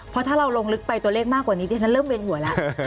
เพราะถ้าเราลงลึกไปตัวเลขมากกว่านี้ดิฉันเริ่มเวียนหัวแล้ว